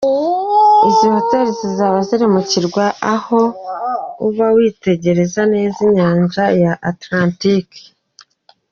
Izi hoteli zizaba ziri ku kirwa aho uba witegeye neza Inyanja ya Atlantique.